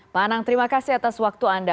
pak anang terima kasih atas waktu anda